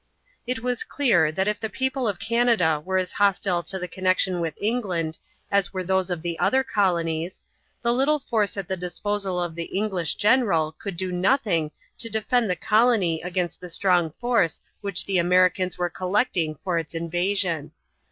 It was clear that if the people of Canada were as hostile to the connection with England as were those of the other colonies, the little force at the disposal of the English general could do nothing to defend the colony against the strong force which the Americans were collecting for its invasion.